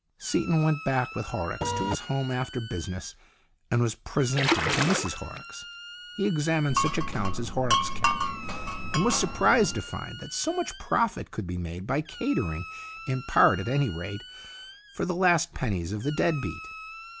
Seaton went back with Horrocks to his home after business, and was presented to Mrs Horrocks. He examined such accounts as Horrocks kept, and was surprised to find that so much profit could be^made by catering, in part, at any rate, for 126 STORIES IN GREY the last pennies of the dead beat.